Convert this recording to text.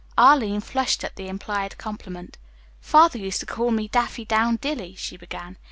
Arline flushed at the implied compliment. "Father used to call me 'Daffydowndilly,'" she began.